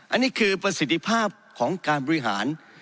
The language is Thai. อันนี้คือประสิทธิภาพของการบริหาร